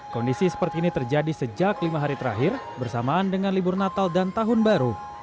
kondisi seperti ini terjadi sejak lima hari terakhir bersamaan dengan libur natal dan tahun baru